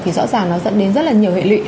thì rõ ràng nó dẫn đến rất là nhiều hệ lụy